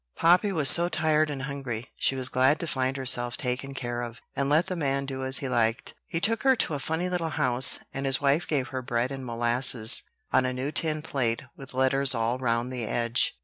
Poppy was so tired and hungry, she was glad to find herself taken care of, and let the man do as he liked. He took her to a funny little house, and his wife gave her bread and molasses on a new tin plate with letters all round the edge.